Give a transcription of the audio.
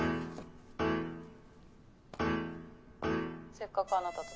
せっかくあなたと。